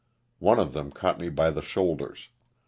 One of them caught me by the shoulders.